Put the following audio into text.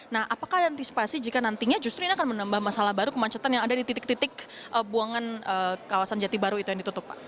nah apakah ada antisipasi jika nantinya justru ini akan menambah masalah baru kemacetan yang ada di titik titik buangan kawasan jati baru itu yang ditutup pak